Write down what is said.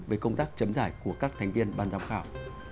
về công tác chấm giải của các thành viên ban giám khảo